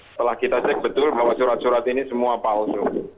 setelah kita cek betul bahwa surat surat ini semua palsu